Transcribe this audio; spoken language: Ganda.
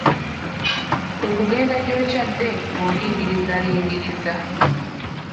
Kwe kugenda gy'okyadde ng'olingirizalingiriza.